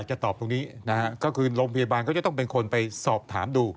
ในแปลตอบตรงนี้ก็คือโรงพยาบาลเขาจะต้องเป็นคนไปสอบถามดู